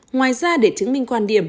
ngoài ra để chứng minh quan điểm